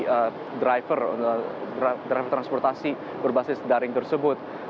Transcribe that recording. jadi driver transportasi berbasis daring tersebut